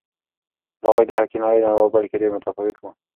دا غږ د حقیقي نړۍ نه و بلکې ډېر متفاوت و.